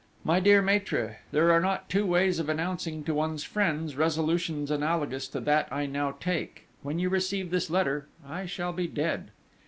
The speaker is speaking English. My dear maître, there are not two ways of announcing to one's friends resolutions analogous to that I now take: when you receive this letter I shall be dead.